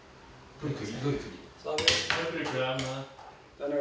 どういう時？